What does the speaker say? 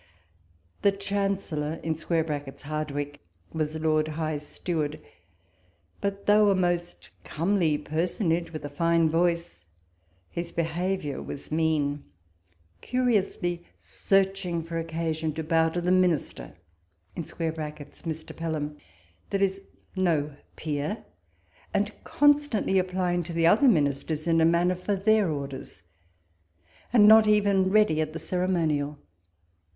The Chancellor [Hardwicke] was Lord High Steward ; but though a most comely personage with a fine voice, his behaviour was mean, curiously searching for occasion to bow to the minister [Mr. Pelham] that is no peer, and con sequently applying to the other ministers, in a manner, for their orders ; and not even ready at the ceremonial.